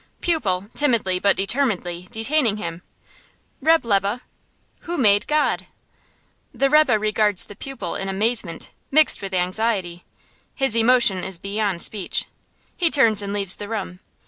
Pupil, timidly, but determinedly, detaining him: "Reb' Lebe, who made God?" The rebbe regards the pupil in amazement mixed with anxiety. His emotion is beyond speech. He turns and leaves the room.